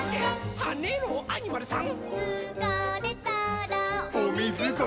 はねろアニマルさん！」